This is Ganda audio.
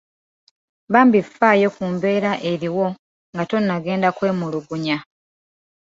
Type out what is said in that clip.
Bambi faayo ku mbeera eriwo nga tonnagenda kwemulugunya.